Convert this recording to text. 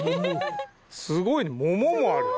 すごいねもももある。